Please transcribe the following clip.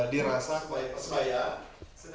di rasa sebaya baya